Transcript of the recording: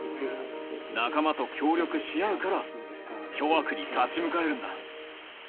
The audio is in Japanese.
仲間と協力し合うから、巨悪に立ち向かえるんだ。